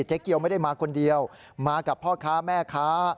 เกียวไม่ได้มาคนเดียวมากับพ่อค้าแม่ค้า